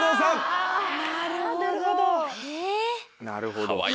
なるほど。